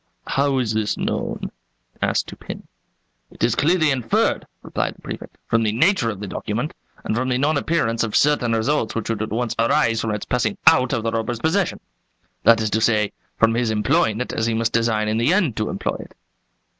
"How is this known?" asked Dupin. "It is clearly inferred," replied the Prefect, "from the nature of the document and from the non appearance of certain results which would at once arise from its passing out of the robber's possession, that is to say, from his employing it as he must design in the end to employ it."